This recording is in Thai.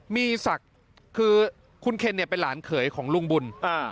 มีศักดิ์คือคุณเคนเนี่ยเป็นหลานเขยของลุงบุญ